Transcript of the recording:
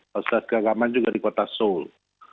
proses keagamaan juga di kota seoul